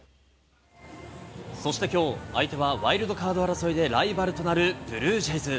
そしてきょう、相手はワイルドカード争いでライバルとなるブルージェイズ。